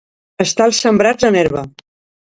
Estar els sembrats en herba.